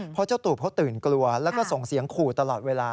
เพราะเจ้าตูบเขาตื่นกลัวแล้วก็ส่งเสียงขู่ตลอดเวลา